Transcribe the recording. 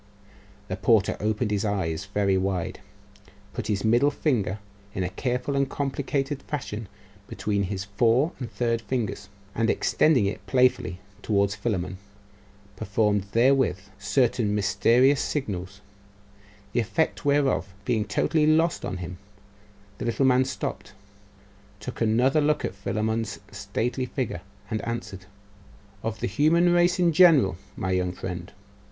The porter opened his eyes very wide, put his middle finger in a careful and complicated fashion between his fore and third fingers, and extending it playfully towards Philammon, performed therewith certain mysterious signals, the effect whereof being totally lost on him, the little man stopped, took another look at Philammon's stately figure, and answered 'Of the human race in general, my young friend.